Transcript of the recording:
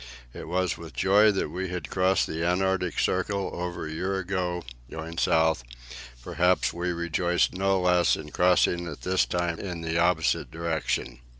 It was with joy that we had crossed the Antarctic Circle over a year ago, going south; perhaps we rejoiced no less at crossing it this time in the opposite direction.